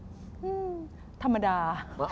อืมธรรมดา